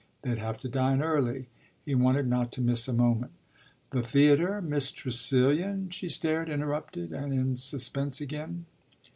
They'd have to dine early he wanted not to miss a moment. "The theatre Miss Tressilian?" she stared, interrupted and in suspense again.